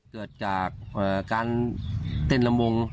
เกิดจากการเต้นละมง